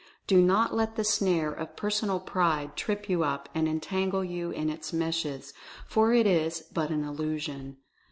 Do not let the snare of Personal Pride trip you up, and entangle you in its meshes, for it is but an illusion.